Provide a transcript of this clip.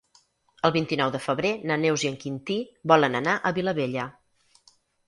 El vint-i-nou de febrer na Neus i en Quintí volen anar a Vilabella.